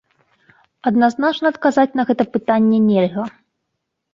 Адназначна адказаць на гэта пытанне нельга.